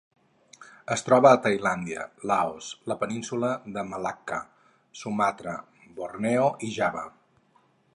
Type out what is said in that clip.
Es troba a Tailàndia, Laos, la Península de Malacca, Sumatra, Borneo i Java.